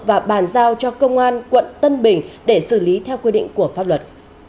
và bàn giao cho công an quận tân bình để xử lý theo quy định của pháp luật